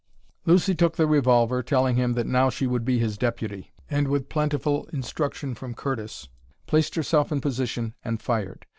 Lucy took the revolver, telling him that now she would be his deputy, and, with plentiful instruction from Curtis, placed herself in position and fired.